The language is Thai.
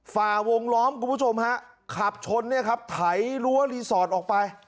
ฝ่าวงล้อมคุณผู้ชมฮะขับชนเนี่ยครับไถรั้วรีสอร์ทออกไป